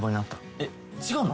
えっ違うの？